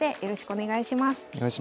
お願いします。